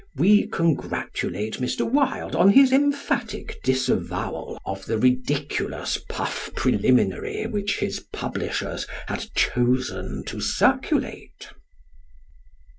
We congratulate Mr. Wilde on his emphatic disavowal of the ridiculous puff preliminary which his publishers had chosen to circulate.